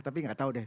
tapi nggak tahu deh